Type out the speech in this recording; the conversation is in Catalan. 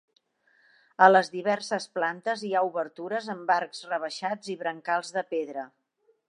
A les diverses plantes hi ha obertures amb arcs rebaixats i brancals de pedra.